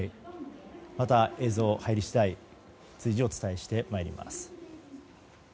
また、映像入り次第随時お伝えしてまいります。